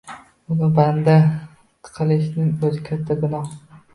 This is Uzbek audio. Uni banda qilishning o’zi katta gunoh.